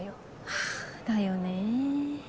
はぁだよね。